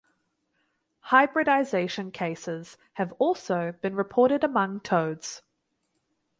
Hybridization cases have also been reported among toads.